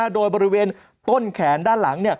โดยบริเวณต้นแขนด้านหลัง